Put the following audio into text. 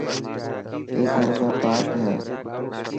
اي گھر ۾ پارڪ به هي.